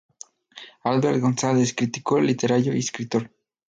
Alberto González, crítico literario y escritor.